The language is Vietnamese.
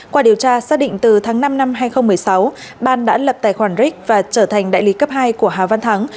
qua điều tra xác định từ tháng năm năm hai nghìn một mươi sáu ban đã lập tài khoản ric và trở thành đại lý cấp hai của hà văn thắng